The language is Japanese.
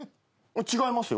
違いますよ。